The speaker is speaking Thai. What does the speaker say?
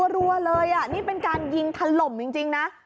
รัวเลยเป็นการยิงทะล่มจริงนะ